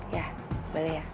ya boleh ya